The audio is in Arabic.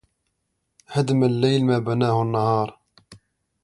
هدم الليل ما بناه النهار